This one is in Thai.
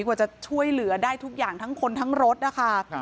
กว่าจะช่วยเหลือได้ทุกอย่างทั้งคนทั้งรถนะคะ